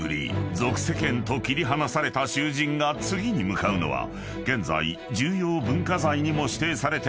俗世間と切り離された囚人が次に向かうのは現在重要文化財にも指定されている庁舎］